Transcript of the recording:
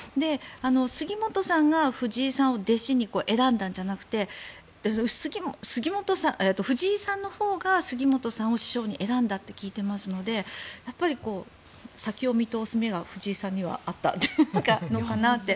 杉本さんが藤井さんを弟子に選んだんじゃなくて藤井さんのほうが杉本さんを師匠に選んだと聞いていますのでやっぱり先を見通す目が藤井さんにはあったのかなって。